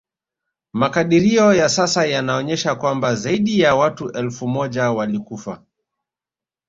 Makadirio ya sasa yanaonyesha kwamba zaidi ya watu elfu moja walikufa